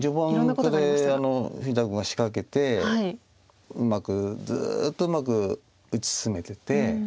ここで富士田君が仕掛けてうまくずっとうまく打ち進めてて。